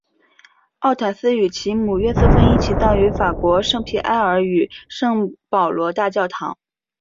奥坦丝与其母约瑟芬一起葬于法国圣皮埃尔与圣保罗大教堂。